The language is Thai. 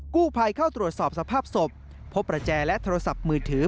กู้ภัยเข้าตรวจสอบสภาพศพพบประแจและโทรศัพท์มือถือ